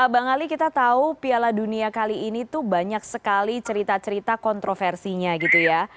bang ali kita tahu piala dunia kali ini banyak sekali cerita cerita kontroversinya